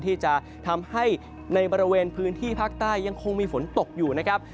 ที่จะทำให้ในบริเวณพื้นที่ภาคใต้ยังคงมีฝนตกอยู่นะครับ